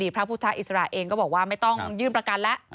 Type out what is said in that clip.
พระพุทธอิสระเองก็บอกว่าไม่ต้องยื่นประกันแล้ว